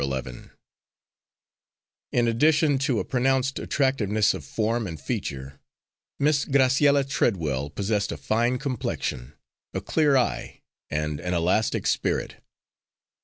Eleven In addition to a pronounced attractiveness of form and feature, Miss Graciella Treadwell possessed a fine complexion, a clear eye, and an elastic spirit.